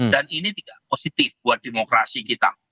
dan ini juga positif buat demokrasi kita